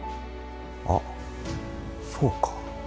あっそうか。